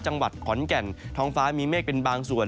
จังหวัดขอนแก่นท้องฟ้ามีเมฆเป็นบางส่วน